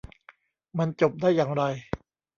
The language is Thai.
มันจบได้อย่างไร